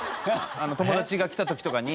友達が来た時とかに。